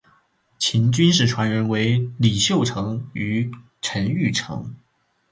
秦军事传人为李秀成与陈玉成。